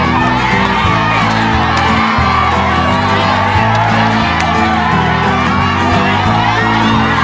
แม่งแม่งแม่ง